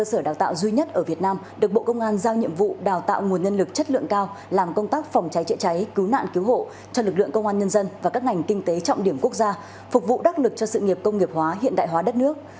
cơ sở đào tạo duy nhất ở việt nam được bộ công an giao nhiệm vụ đào tạo nguồn nhân lực chất lượng cao làm công tác phòng cháy chữa cháy cứu nạn cứu hộ cho lực lượng công an nhân dân và các ngành kinh tế trọng điểm quốc gia phục vụ đắc lực cho sự nghiệp công nghiệp hóa hiện đại hóa đất nước